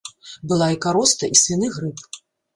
Была і кароста, і свіны грып.